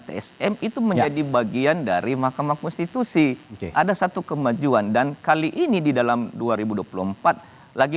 tsm itu menjadi bagian dari mahkamah konstitusi ada satu kemajuan dan kali ini di dalam dua ribu dua puluh empat lagi